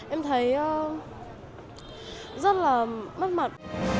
em thấy rất là mất mặt